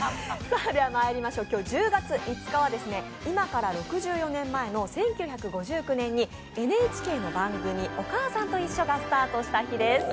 今日１０月５日は今から６４年前の１９５９年にＮＨＫの番組、「おかあさんといっしょ」がスタートした日です。